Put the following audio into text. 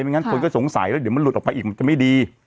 งั้นคนก็สงสัยแล้วเดี๋ยวมันหลุดออกไปอีกมันจะไม่ดี